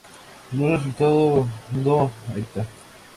No resultando electa.